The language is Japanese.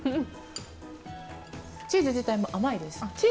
チーズ自体も甘いです。